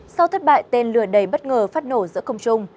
sau thất bại tên lửa đầy bất ngờ phát nổ giữa công trung